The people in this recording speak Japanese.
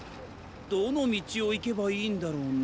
どのみちをいけばいいんだろうね？